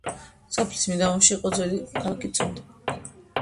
სოფლის მიდამოებში იყო ძველი ქალაქი წუნდა.